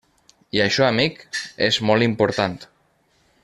I això, amic, és molt important.